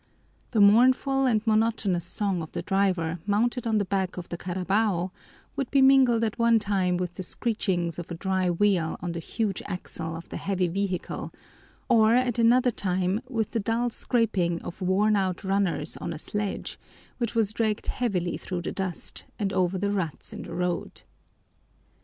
The mournful and monotonous song of the driver mounted on the back of the carabao would be mingled at one time with the screechings of a dry wheel on the huge axle of the heavy vehicle or at another time with the dull scraping of worn out runners on a sledge which was dragged heavily through the dust, and over the ruts in the road.